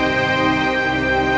buat yang sebaiknya